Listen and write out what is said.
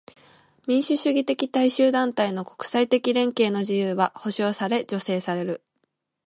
民主主義的大衆団体の国際的連携の自由は保障され助成される。